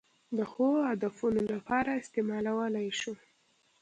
د ښو هدفونو لپاره استعمالولای شو.